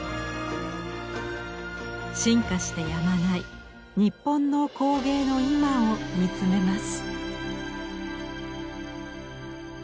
進化してやまない日本の工芸の今を見つめます。